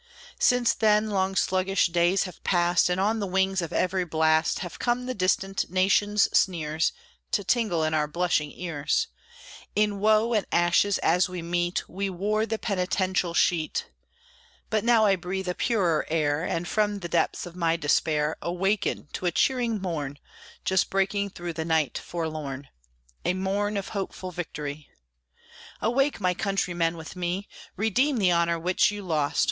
Since then long sluggish days have passed, And on the wings of every blast Have come the distant nations' sneers To tingle in our blushing ears. In woe and ashes, as was meet, We wore the penitential sheet. But now I breathe a purer air, And from the depths of my despair Awaken to a cheering morn, Just breaking through the night forlorn, A morn of hopeful victory. Awake, my countrymen, with me! Redeem the honor which you lost.